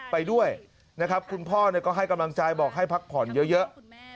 ไปด้วยนะครับคุณพ่อก็ให้กำลังใจบอกให้พักผ่อนเยอะ